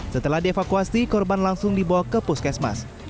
setelah dievakuasi korban langsung dibawa ke puskesmas